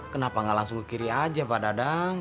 kenapa nggak langsung ke kiri aja pak dadang